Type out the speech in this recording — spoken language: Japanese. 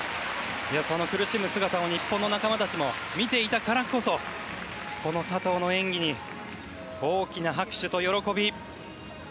その苦しむ姿を日本の仲間たちも見ていたからこそ佐藤の演技に大きな拍手と喜び。